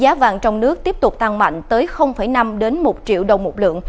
giá vàng trong nước tiếp tục tăng mạnh tới năm một triệu đồng một lượng